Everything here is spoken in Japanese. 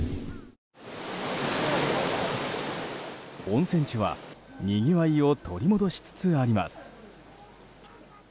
温泉地は、にぎわいを取り戻しつつあります。